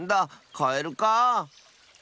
カエルかあ。